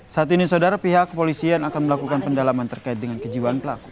saat ini saudara pihak kepolisian akan melakukan pendalaman terkait dengan kejiwaan pelaku